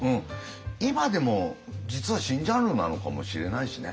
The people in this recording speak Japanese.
今でも実は新ジャンルなのかもしれないしね。